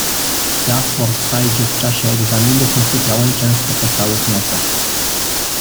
Ja w Port-Saidzie w czasie egzaminów nie sypiałem często po całych nocach